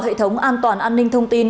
hệ thống an toàn an ninh thông tin